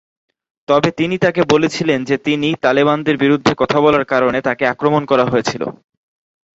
তবে তিনি তাকে বলেছিলেন যে তিনি তালেবানদের বিরুদ্ধে কথা বলার কারণে তাকে আক্রমণ করা হয়েছিল।